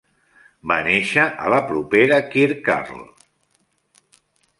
Va néixer a la propera Kirkharle.